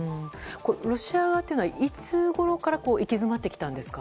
ロシア側っていうのはいつごろから行き詰まってきたんですか？